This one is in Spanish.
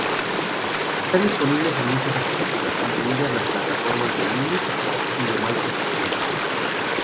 Está disponible en muchas arquitecturas, incluidas las plataformas de Unix y de Microsoft Windows.